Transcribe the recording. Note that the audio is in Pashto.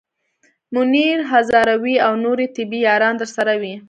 منیر هزاروی او نورې طبې یاران درسره وي.